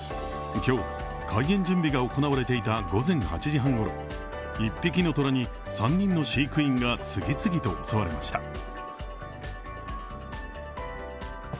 今日、開園準備が行われていた午前８時半ごろ、１匹の虎に３人の飼育員が次々と襲われました。